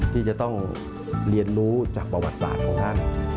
ที่จะต้องเรียนรู้จากประวัติศาสตร์ของท่าน